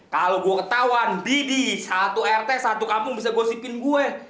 kalau gue ketauan didi satu rt satu kampung bisa gosipin gue